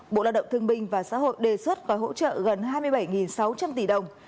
bộ lao động thương binh và xã hội đề xuất gói hỗ trợ gần hai mươi bảy sáu trăm linh tỷ đồng